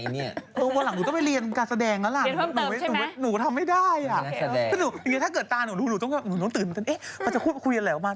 นี่นักสืบมาเต็มที่เลยนะเนี่ยเรื่องมาหลายปีแล้วแม่ะ